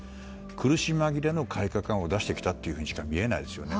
苦し紛れの改革案を出してきたというふうにしか見えないですね。